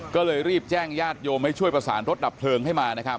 ก็เลยรีบแจ้งญาติโยมให้ช่วยประสานรถดับเพลิงให้มานะครับ